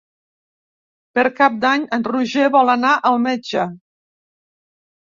Per Cap d'Any en Roger vol anar al metge.